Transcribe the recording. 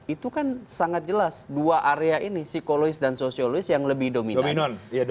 itu kan sangat jelas dua area ini psikologis dan sosiologis yang lebih dominan